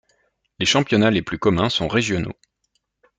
Les championnats les plus communs sont régionaux.